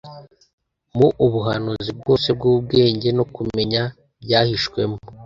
mu ubuhanuzi bwose bw'ubwenge no kumenya byahishwemo.»